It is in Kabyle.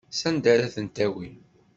Sanda ara ten-tawi?